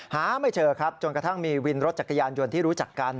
หาไม่เจอครับจนกระทั่งมีวินรถจักรยานยนต์ที่รู้จักกัน